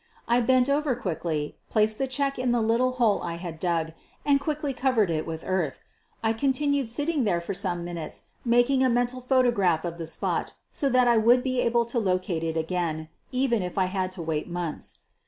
I bent over quickly, placed the check in the little hole I had dug, and quickly cov ered it with earth. I continued sitting there for some minutes, making a mental photograph of the spot so that I would be able to locate it again, even if I had to wait months.